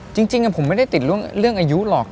จริงผมไม่ได้ติดเรื่องอายุหรอก